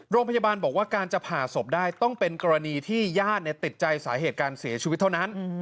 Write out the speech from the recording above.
โรงพยาบาลบอกว่าการจะผ่าศพได้ต้องเป็นกรณีที่ญาติติดใจสาเหตุการเสียชีวิตเท่านั้น